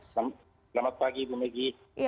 selamat pagi ibu megi